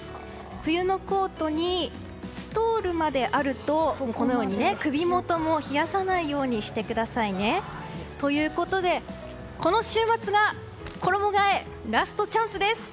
冬のコートにストールまであるとこのように首元も冷やさないようにしてくださいね。ということでこの週末が衣替えラストチャンスです。